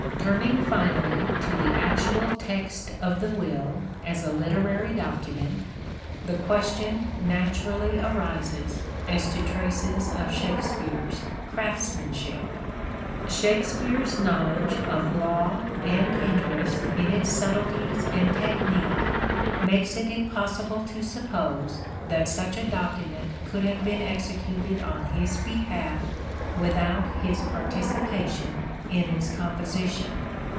Turning finally to the actual text of the will as a ^terarv document, the question naturally arises as to traces of " Shakespeare's " craftsmanship. " Shakespeare's " knowledge of law and interest in its subtleties and technique makes it impossible to suppose that such a document could have been executed on his behalf without his participation in its composition.